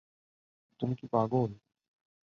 তুমি কি পাগল?